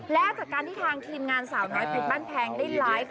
และจากการที่ทางทีมงานสาวน้อยเพชรบ้านแพงได้ไลฟ์